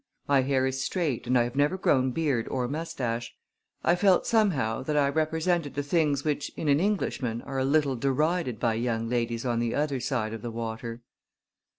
My hair is straight and I have never grown beard or mustache. I felt, somehow, that I represented the things which in an Englishman are a little derided by young ladies on the other side of the water.